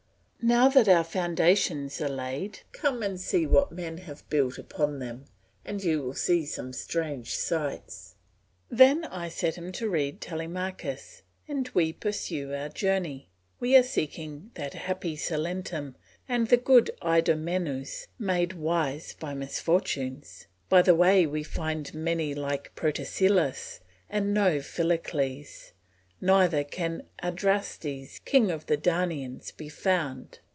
Now that our foundations are laid, come and see what men have built upon them; and you will see some strange sights! Then I set him to read Telemachus, and we pursue our journey; we are seeking that happy Salentum and the good Idomeneus made wise by misfortunes. By the way we find many like Protesilas and no Philocles, neither can Adrastes, King of the Daunians, be found.